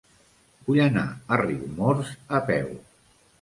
Vull anar a Riumors a peu.